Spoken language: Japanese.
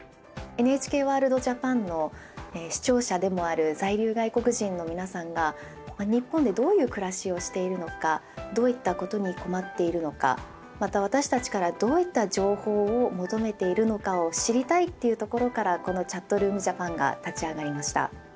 ＮＨＫＷＯＲＬＤＪＡＰＡＮの視聴者でもある在留外国人の皆さんが日本でどういう暮らしをしているのかどういったことに困っているのかまた私たちからどういった情報を求めているのかを知りたいというところからこの「ＣｈａｔｒｏｏｍＪａｐａｎ」が立ち上がりました。